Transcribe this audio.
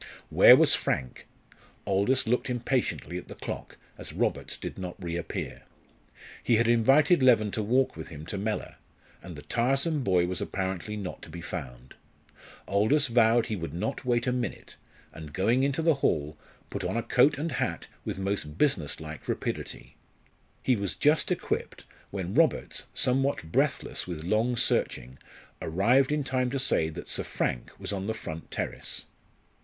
Where was Frank? Aldous looked impatiently at the clock, as Roberts did not reappear. He had invited Leven to walk with him to Mellor, and the tiresome boy was apparently not to be found. Aldous vowed he would not wait a minute, and going into the hall, put on coat and hat with most business like rapidity. He was just equipped when Roberts, somewhat breathless with long searching, arrived in time to say that Sir Frank was on the front terrace.